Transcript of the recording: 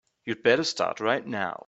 You'd better start right now.